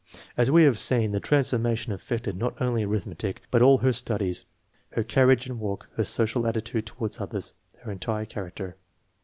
As we have seen, the transformation affected not only arithmetic, but all her studies, her carriage and walk, her social attitude toward others, her entire character.